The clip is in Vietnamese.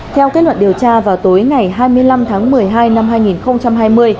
theo kết luận điều tra vào tối ngày hai mươi năm tháng một mươi hai năm hai nghìn hai mươi